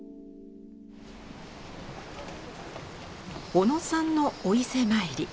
小野さんのお伊勢参り。